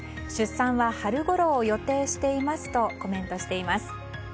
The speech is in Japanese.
出産は春ごろを予定していますとコメントしています。